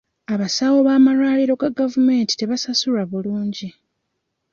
Abasawo b'amalwaliro ga gavumenti tebasasulwa bulungi.